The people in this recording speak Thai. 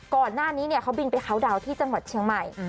ก่อนหน้านี้เขาบินไปเคาน์ดาวน์ที่จังหวัดเชียงใหม่